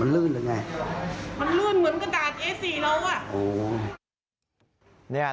มันลื่นหรือไงมันลื่นเหมือนกระดาษเอส๔เรา